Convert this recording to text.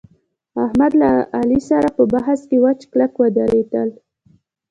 احمد له علي سره په بحث کې وچ کلک ودرېدل